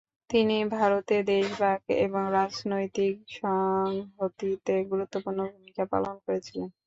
তিনি ভারতের দেশভাগ এবং রাজনৈতিক সংহতিতে গুরুত্বপূর্ণ ভূমিকা পালন করেছিলেন।